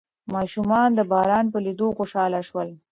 ماشومان د باران په لیدو خوشحال شول.